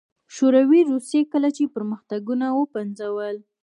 شوروي روسيې کله چې پرمختګونه وپنځول